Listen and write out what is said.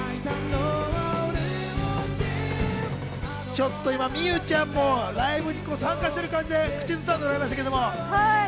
ちょっと今、望結ちゃんもライブに参加してる感じで口ずさんでいましたけど。